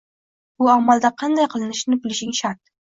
Bu amalda qanday qilinishini bilishing shart.